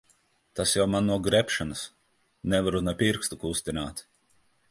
Tas jau man no grebšanas. Nevaru ne pirkstu kustināt.